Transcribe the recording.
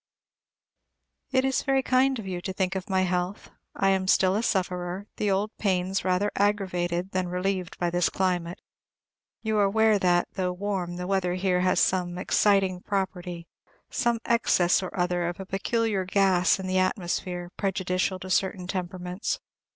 It is very kind of you to think of my health. I am still a sufferer; the old pains rather aggravated than relieved by this climate. You are aware that, though warm, the weather here has some exciting property, some excess or other of a peculiar gas in the atmosphere, prejudicial to certain temperaments.